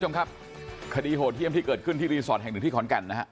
คุณผู้ชมครับคดีโหดเยี่ยมที่เกิดขึ้นที่รีสอร์ทแห่งหนึ่งที่ขอนแก่นนะฮะ